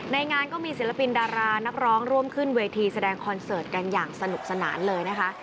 งานก็มีศิลปินดารานักร้องร่วมขึ้นเวทีแสดงคอนเสิร์ตกันอย่างสนุกสนานเลยนะคะ